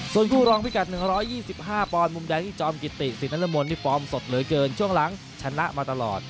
ส่วนคู่รองพิกัด๑๒๕ปอนด์มุมแดงที่จอมกิติศิษฐนรมนนี่ฟอร์มสดเหลือเกินช่วงหลังชนะมาตลอด